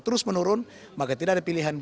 terus menurun maka tidak ada pilihan